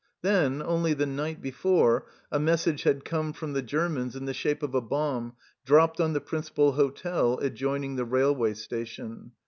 Then, only the night before, a message had come from the Germans in the shape of a bomb dropped on the principal hotel adjoining the rail way station.